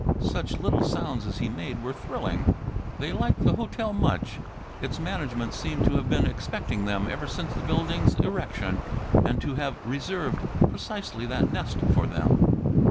Such little sounds as he made were thrilling. They liked the hotel much. Its management seemed to have been expecting them ever since the building's erection, and to have reserved precisely that nest for them.